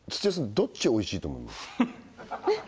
どっちおいしいと思います？